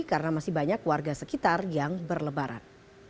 karena masih banyak warga sekitar yang berlebaran